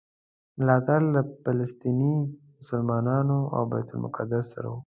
ملاتړ له فلسطیني مسلمانانو او بیت المقدس سره و.